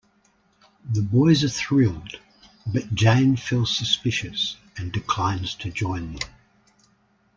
The boys are thrilled, but Jane feels suspicious and declines to join them.